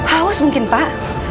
haus mungkin pak